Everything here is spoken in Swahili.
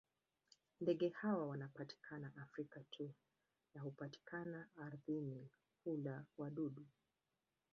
Ndege hawa wanatokea Afrika tu na hupatikana ardhini; hula wadudu.